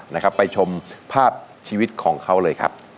นะครับไปชมภาพชีวิตของเขาเลยครับ